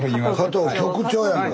加藤局長やんか！